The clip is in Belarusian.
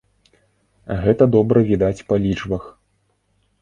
Гэта добра відаць па лічбах.